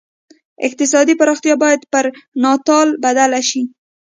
اقتصادي پراختیا باید پر ناتال بدل شي.